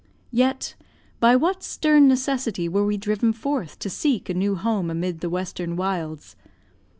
Yet, by what stern necessity were we driven forth to seek a new home amid the western wilds?